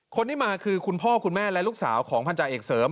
คนที่มาคือคุณพ่อคุณแม่และลูกสาวของพันธาเอกเสริม